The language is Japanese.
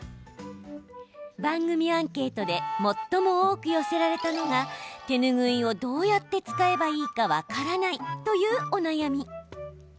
番組アンケートで最も多く寄せられたのが手ぬぐいをどうやって使えばいいか分からないというお悩み。